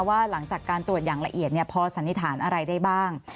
ว่าหลังจากการตรวจอย่างละเอียดพอสันนิษฐานอะไรได้บ้าง